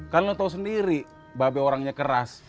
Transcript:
kan lo tau sendiri babe orangnya keras